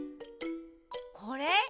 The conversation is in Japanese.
これ？